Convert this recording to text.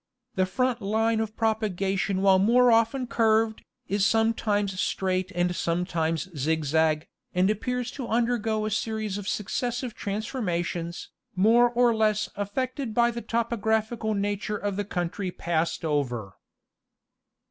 The front line of propagation while more often curved, is sometimes straight and sometimes zigzag, 52 National Geographic Magazme. and appears to undergo a series of successive transformations, more or less affected by the topographical nature of the country passed over.